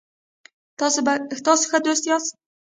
تاسو ښه دوست یاست